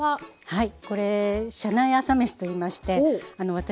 はい。